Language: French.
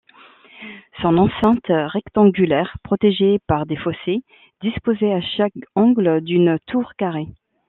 Son enceinte rectangulaire, protégée par des fossés, disposait à chaque angle d’une tour carrée.